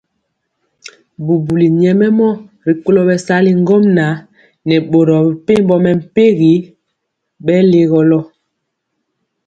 Bubuli nyɛmemɔ rikolo bɛsali ŋgomnaŋ nɛ boro mepempɔ mɛmpegi bɛlegolɔ.